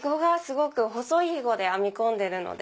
細いひごで編み込んでるので。